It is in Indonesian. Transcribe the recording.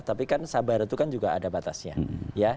tapi kan sabar itu kan juga ada batasnya